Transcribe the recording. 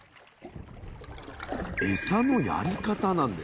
エサのやり方なんです。